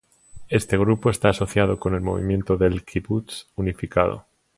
Este grupo está asociado con el movimiento del kibutz unificado.